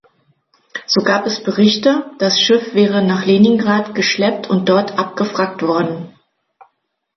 So gab es Berichte, das Schiff wäre nach Leningrad geschleppt und dort abgewrackt worden.